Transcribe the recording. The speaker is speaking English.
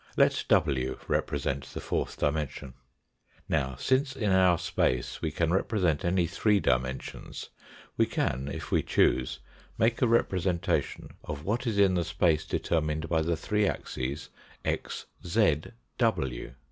Let w represent the fourth dimension. Now, since in our space we can represent any three dimensions, we can, if we H B A C Fig. 3 (131). choose, make a representation of what is in the space determined by the three axes x, z, w.